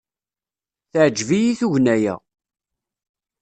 Teɛjeb-iyi tugna-a.